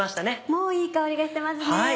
もういい香りがしてますね。